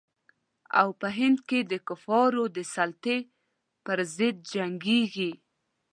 او په هند کې د کفارو د سلطې پر ضد جنګیږي.